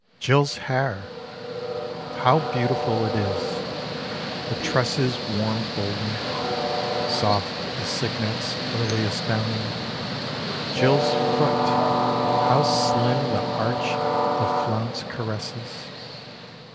Jill's hair! How beautiful it is; the tresses Warm golden, soft as cygnet's earliest downing. Jill's foot! How slim the arch the flounce caresses.